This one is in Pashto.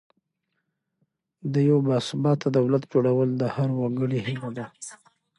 د یو باثباته دولت جوړول د هر وګړي هیله ده.